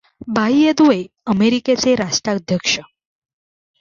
बाह्य दुवे अमेरिकेचे राष्ट्राध्यक्ष